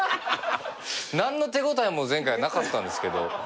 何の手応えも前回なかったんですけど。